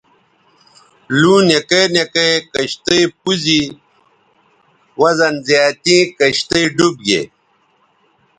لُوں نکے نکے کشتئ پوز ی وزن زیاتیں کشتئ ڈوب گے